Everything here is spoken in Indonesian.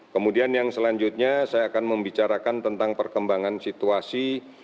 kemudian yang selanjutnya saya akan membicarakan tentang perkembangan situasi